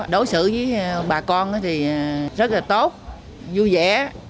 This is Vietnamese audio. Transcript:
đối xử với bà con thì rất là tốt vui vẻ